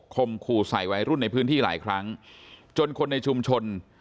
มขู่ใส่วัยรุ่นในพื้นที่หลายครั้งจนคนในชุมชน